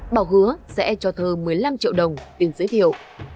bảo hứa sẽ cho thơ một mươi năm triệu đồng tiền giới thiệu